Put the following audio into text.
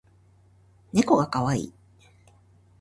ねこがかわいい